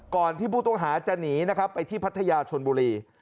ก่อนที่ผู้ต้องหาจะหนีนะครับไปที่พัทยาชนบุรี